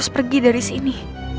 pergi dari sini